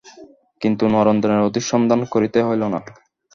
কিন্তু নরেন্দ্রের অধিক সন্ধান করিতে হইল না।